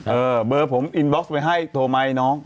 เออเบอร์ผมอินบ็อกซ์ไปให้โทรมาให้น้อง